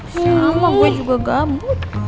sama gue juga gabut